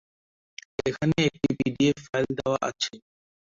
এখানে একটি PDF file দেওয়া আছে।